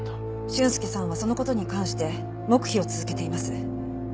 俊介さんはその事に関して黙秘を続けています。